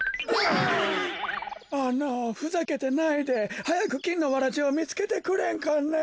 あのふざけてないではやくきんのわらじをみつけてくれんかね。